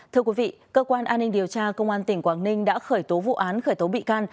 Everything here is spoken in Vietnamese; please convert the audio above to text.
thưa quý vị cơ quan an ninh điều tra công an tỉnh quảng ninh đã khởi tố vụ án khởi tố bị can